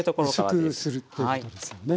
薄くするっていうことですもんね。